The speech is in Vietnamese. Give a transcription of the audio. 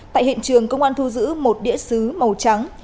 tại hiện trường công an thu giữ một đĩa xứ màu trắng